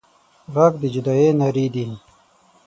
غږ د جدايي نارې دي